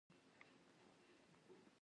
احمد د خپلو ملګرو راز وپاشه.